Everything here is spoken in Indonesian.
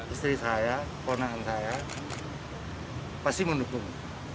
istri saya ponakan saya pasti mendukung